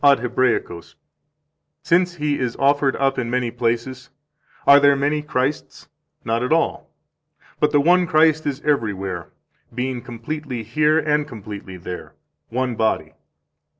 10, Ad Hebraicos): "Since He is offered up in many places, are there many Christs? Not at all. But the one Christ is everywhere, being completely here and completely there, one body.